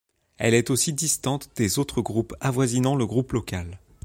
Elle est aussi distante des autres Groupe avoisinant le Groupe local.